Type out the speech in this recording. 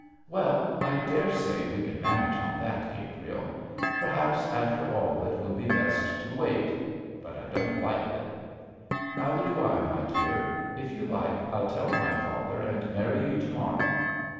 'Well, I daresay we can manage on that, Gabriel. Perhaps, after all, it will be best to wait, but I don't like it.' 'Neither do I, my dear. If you like, I'll tell my father and marry you to morrow.'